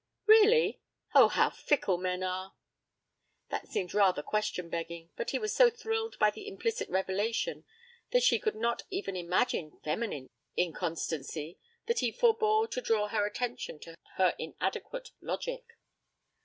'Really? Oh, how fickle men are!' That seemed rather question begging, but he was so thrilled by the implicit revelation that she could not even imagine feminine inconstancy, that he forebore to draw her attention to her inadequate logic.